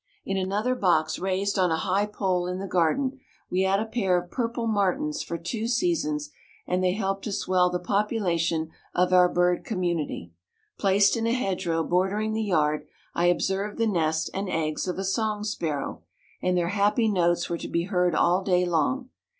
In another box raised on a high pole in the garden, we had a pair of purple martins for two seasons and they helped to swell the population of our bird community. Placed in a hedge row bordering the yard, I observed the nest and eggs of a song sparrow, and their happy notes were to be heard all day long.